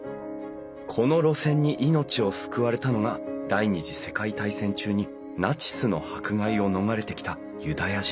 この路線に命を救われたのが第２次世界大戦中にナチスの迫害を逃れてきたユダヤ人。